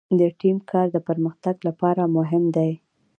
د ټیم کار د پرمختګ لپاره مهم دی.